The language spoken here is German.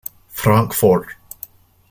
Frank" fort.